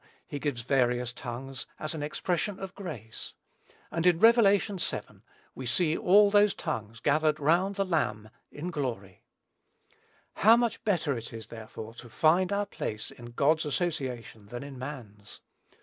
he gives various tongues as an expression of grace; and in Rev. vii. we see all those tongues gathered round the Lamb, in glory. How much better it is, therefore, to find our place in God's association than in man's!